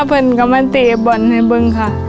เพื่อนก็มาเตะบอลให้บึ้งค่ะ